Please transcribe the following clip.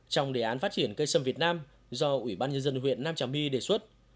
trong đề án phát triển cây sâm việt nam do ủy ban nhân dân huyện nam trà my đề xuất